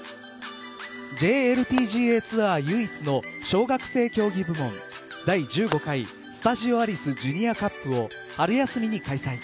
ＪＬＰＧＡツアー唯一の小学生競技部門第１５回スタジオアリスジュニアカップを春休みに開催。